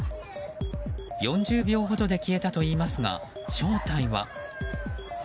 ４０秒ほどで消えたといいますが正体は。